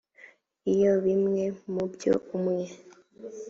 iyo bimwe mu byo umwe